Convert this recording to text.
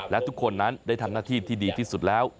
และทุกคนนั้นได้ทำหน้าที่ที่ดีที่สุดแล้ว